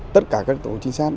tất cả các tổ chính xác